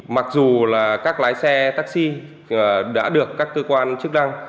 mặc dù là các lái xe taxi đã được các cơ quan chức năng